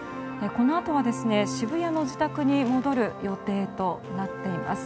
このあと渋谷の自宅に戻る予定となっています。